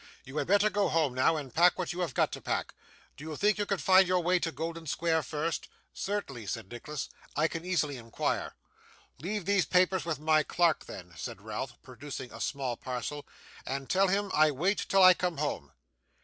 'You had better go home now, and pack up what you have got to pack. Do you think you could find your way to Golden Square first?' 'Certainly,' said Nicholas. 'I can easily inquire.' 'Leave these papers with my clerk, then,' said Ralph, producing a small parcel, 'and tell him to wait till I come home.